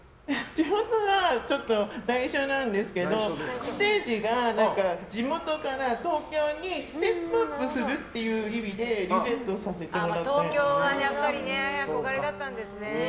地元はちょっと内緒なんですけどステージが地元から東京にステップアップするっていう意味で東京はやっぱり憧れだったんですね。